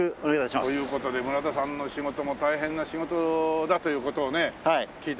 という事で村田さんの仕事も大変な仕事だという事をね聞いて。